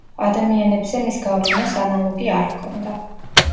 ადამიანებზე მის გავლენას ანალოგი არ ჰქონდა.